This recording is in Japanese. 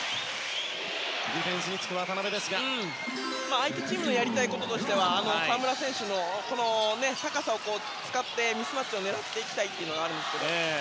相手チームのやりたいこととしては河村選手の高さを使ってミスマッチを狙っていきたいんですけど。